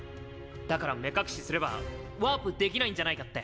だから目隠しすればワープできないんじゃないかって。